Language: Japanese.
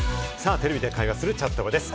テレビで会話するチャットバです。